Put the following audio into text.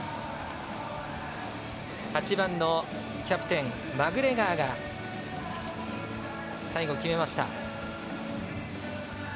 ８番のキャプテン、マグレガーが最後、決めました。